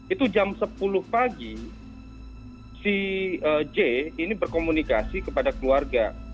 itu jam sepuluh pagi si j ini berkomunikasi kepada keluarga